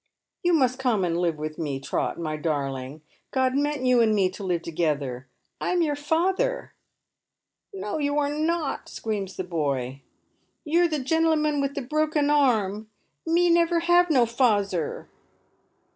" You must come and live with me, Trot, my darling. God meant you and me to live together. I'm your father !"" No, you not," screams the boy, " you're the genlamum with the broken arm. Me never have no f azer."